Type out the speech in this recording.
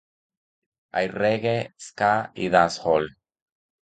Hay Reggae, Ska y Dancehall.